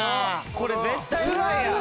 これ絶対うまいやん。